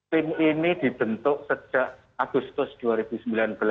tim ini dibentuk sejak agustus dua ribu sembilan belas